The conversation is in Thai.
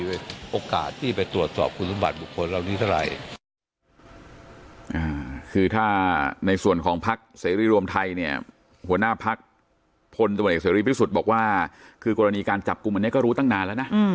เอ่อคือถ้าในส่วนของพรรคซีรฟิรวมไทยเนี้ยหัวหน้าพรรคพลตรวจเสร็จฟิภาษสุดบอกว่าคือกรณีการจับกุมอันนี้ก็รู้ตั้งนานแล้วน่ะอืม